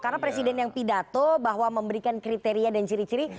karena presiden yang pidato bahwa memberikan kriteria dan ciri ciri